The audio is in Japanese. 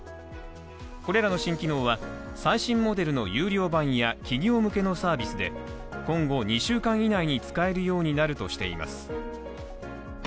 これらの新機能は最新モデルの有料版や企業向けのサービスで今後２週間以内に使えるようになるとしています。